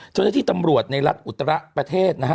เช่นเช่นที่ตำรวจในรัฐอุตราประเทศนะฮะ